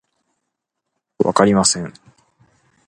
わかりません